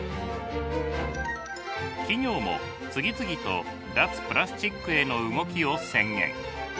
企業も次々と脱プラスチックへの動きを宣言。